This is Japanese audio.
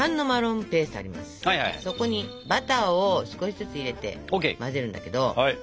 そこにバターを少しずつ入れて混ぜるんだけど。